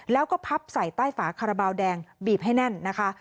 แล้วก็พับใส่ใต้ฝาคาราบาลแดงบีบให้แน่นนะคะ